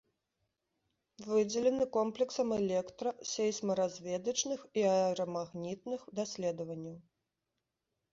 Выдзелены комплексам электра-, сейсмаразведачных і аэрамагнітных даследаванняў.